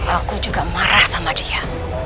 aku juga marah sama dia